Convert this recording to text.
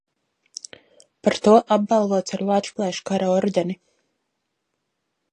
Par to apbalvots ar Lāčplēša Kara ordeni.